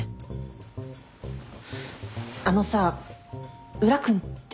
あのさ宇良君って。